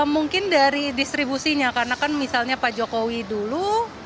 mungkin dari distribusinya karena kan misalnya pak jokowi dulu